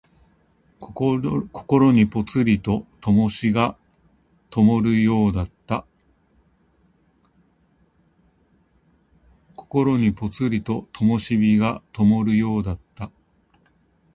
心にぽつりと灯がともるようだった。